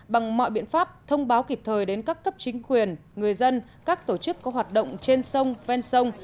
bằng mọi biện pháp thông báo kịp thời đến các cấp chính quyền người dân các tổ chức có hoạt động trên sông ven sông